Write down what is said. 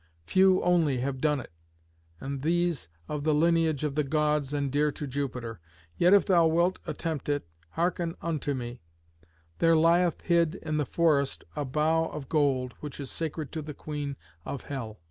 Few only have done it, and these of the lineage of the Gods and dear to Jupiter. Yet if thou wilt attempt it, hearken unto me. There lieth hid in the forest a bough of gold which is sacred to the Queen of hell.